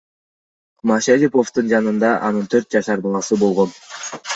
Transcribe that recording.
Машариповдун жанында анын төрт жашар баласы болгон.